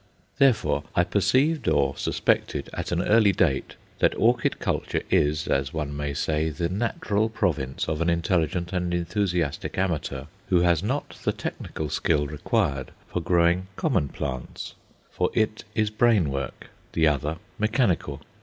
Therefore I perceived or suspected, at an early date, that orchid culture is, as one may say, the natural province of an intelligent and enthusiastic amateur who has not the technical skill required for growing common plants. For it is brain work the other mechanical.